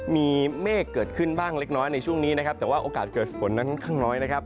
มีเมฆเกิดขึ้นบ้างเล็กน้อยในช่วงนี้นะครับแต่ว่าโอกาสเกิดฝนนั้นข้างน้อยนะครับ